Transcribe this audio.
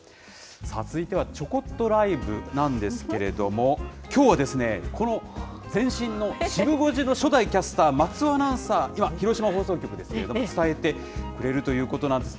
続いてはちょこっとＬＩＶＥなんですけれども、きょうは、この前身のシブ５時の初代キャスター、松尾アナウンサー、今、広島放送局ですけれども、伝えてくれるということなんです。